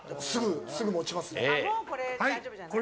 すぐ持ちますね。